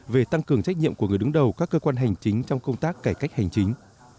về tăng cường trách nhiệm của người đứng đầu các cơ quan hành chính trong công tác cải cách hành chính